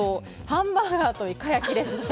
ハンバーガーといか焼きです。